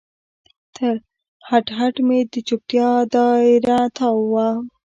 تر هډ، هډ مې د چوپتیا دا یره تاو وه